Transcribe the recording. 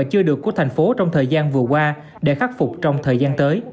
chưa được của thành phố trong thời gian vừa qua để khắc phục trong thời gian tới